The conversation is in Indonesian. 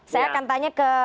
saya akan tanya ke